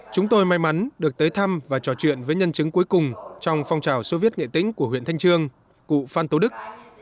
chúng tôi may mắn được tới thăm và trò chuyện với nhân chứng cuối cùng trong phong trào soviet nghệ tĩnh của huyện thanh trương cụ phan tố đức